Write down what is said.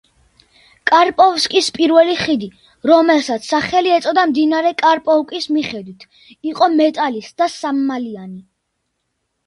კარპოვსკის პირველი ხიდი, რომელსაც სახელი ეწოდა მდინარე კარპოვკის მიხედვით, იყო მეტალის და სამმალიანი.